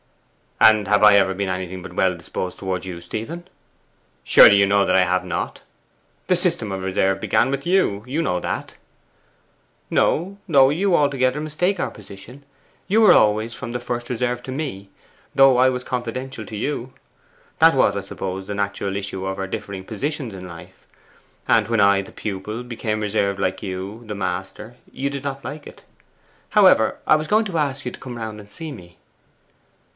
'And have I ever been anything but well disposed towards you, Stephen? Surely you know that I have not! The system of reserve began with you: you know that.' 'No, no! You altogether mistake our position. You were always from the first reserved to me, though I was confidential to you. That was, I suppose, the natural issue of our differing positions in life. And when I, the pupil, became reserved like you, the master, you did not like it. However, I was going to ask you to come round and see me.